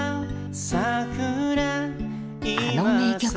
あの名曲も。